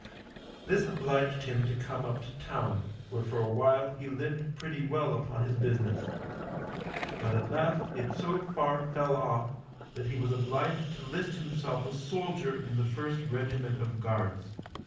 This obliged him to come up to Town, where for a while he lived pretty well upon his business; but at last it so far fell off that he was obliged to list himself a soldier in the first regiment of Guards.